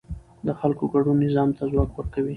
د خلکو ګډون نظام ته ځواک ورکوي